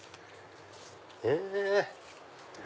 へぇ。